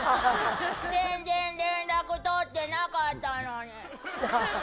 全然連絡取ってなかったのに。